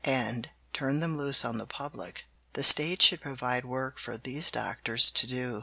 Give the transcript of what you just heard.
and turn them loose on the public, the State should provide work for these doctors to do.